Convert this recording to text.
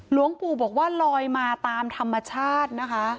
หลวงปู่บอกว่าลอยมาตามธรรมชาตินะคะ